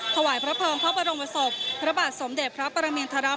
ถวายพระเภิงพระบรมศพพระบาทสมเด็จพระปรมินทรัม